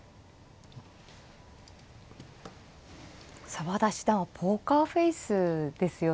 澤田七段はポーカーフェースですよね。